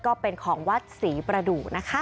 ก็เป็นของวัดศรีประดุ